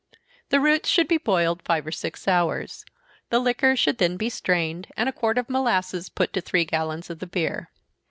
The roots should be boiled five or six hours the liquor should then be strained, and a quart of molasses put to three gallons of the beer.